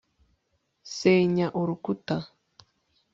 senya urukuta